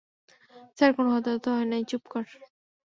Sir, কোন হতাহত হয় নাই- - চুপ কর!